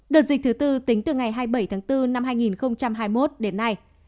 đợt dịch thứ tư tính từ ngày hai mươi bảy tháng bốn năm hai nghìn hai mươi một đến nay